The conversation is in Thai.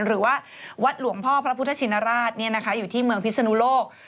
หรือว่าวัดหลวงพ่อพระพุทธชินราชอยู่ที่เมืองพิศนุโลก